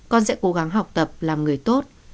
con sẽ cố gắng học tập làm người tốt